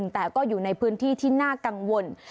แต่ก็อยู่ในพื้นที่ที่น่ากังวล